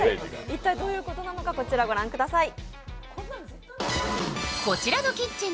一体どういうことなのか、こちらを御覧ください。